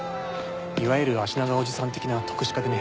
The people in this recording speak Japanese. いわゆるあしながおじさん的な篤志家でね